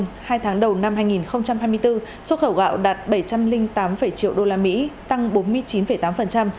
hai tháng đầu năm hai nghìn hai mươi bốn xuất khẩu gạo đạt bảy trăm linh tám triệu usd tăng bốn mươi chín tám